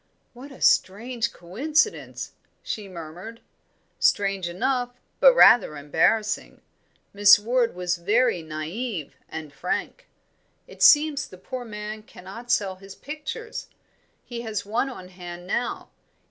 "What a strange coincidence!" she murmured. "Strange enough, but rather embarrassing. Miss Ward was very naive and frank. It seems the poor man cannot sell his pictures; he has one on hand now.